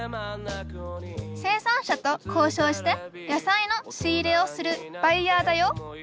生産者とこうしょうして野菜の仕入れをするバイヤーだよ